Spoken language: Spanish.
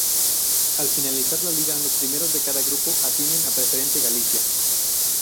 Al finalizar la liga, los primeros de cada grupo ascienden a Preferente Galicia.